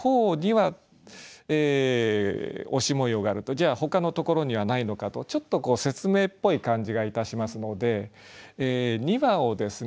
じゃあほかのところにはないのかとちょっと説明っぽい感じがいたしますので「には」をですね